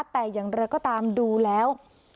แต่อย่างไรก็ตามดูแล้ว